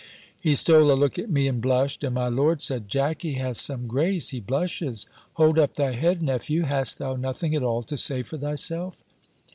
He stole a look at me, and blushed; and my lord said, "Jackey has some grace! He blushes! Hold up thy head, nephew! Hast thou nothing at all to say for thyself?"